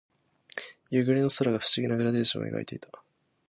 夕暮れの空が不思議なグラデーションを描いていた。